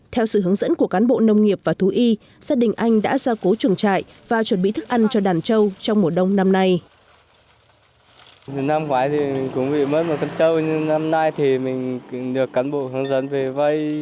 theo sự hướng dẫn của cán bộ nông nghiệp và thú y gia đình anh đã ra cố chuồng trại và chuẩn bị thức ăn cho đàn trâu trong mùa đông năm nay